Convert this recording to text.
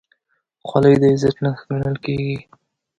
خولۍ د عزت نښه ګڼل کېږي.